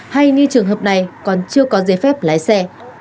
hay như trường hợp này còn chưa có giấy phép lái xe